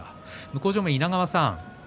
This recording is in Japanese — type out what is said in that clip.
向正面の稲川さん